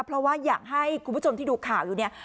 เพราะว่าอยากให้คุณผู้ชมที่ดูข่าวอยู่เนี่ย